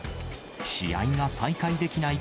試合が再開できない